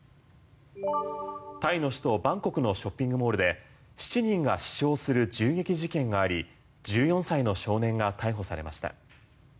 タイの首都バンコクのショッピングモールで７人が死傷する銃撃事件があり１４歳の少年が逮捕されました。